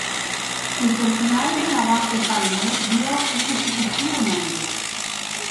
El personal de la Base Palmer dio este sugestivo nombre.